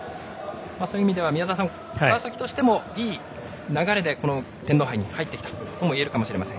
そういう意味では川崎としてはいい流れで天皇杯に入ってきたといえるかもしれません。